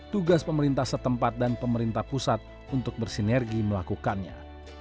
tugas pemerintah setempat dan pemerintah pusat untuk bersinergi melakukannya